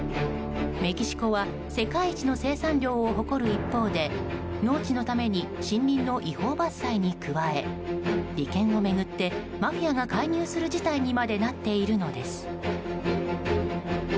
メキシコは世界一の生産量を誇る一方で農地のために森林の違法伐採に加え利権を巡ってマフィアが介入する事態にまでなっているのです。